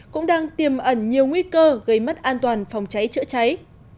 cũng đang tiềm ẩn nhiều nguy cơ gây mất an toàn phòng cháy chữa cháy